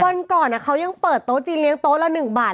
วันก่อนเขายังเปิดโต๊ะจีนเลี้ยโต๊ะละ๑บาท